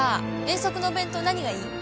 遠足のお弁当何がいい？